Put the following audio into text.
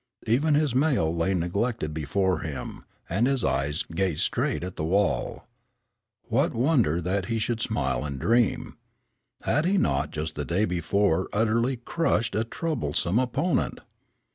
Even his mail lay neglected before him, and his eyes gazed straight at the wall. What wonder that he should smile and dream. Had he not just the day before utterly crushed a troublesome opponent?